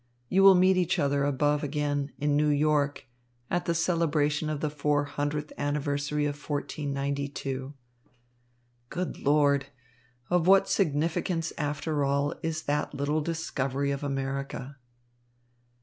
You will meet each other above again, in New York, at the celebration of the four hundredth anniversary of 1492. Good Lord! Of what significance after all, is that little discovery of America?"